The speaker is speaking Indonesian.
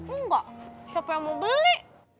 enggak siapa yang mau beli